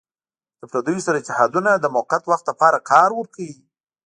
له پردیو سره اتحادونه د موقت وخت لپاره کار ورکوي.